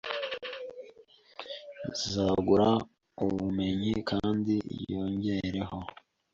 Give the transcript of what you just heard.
izagura ubumenyi kandi yongereho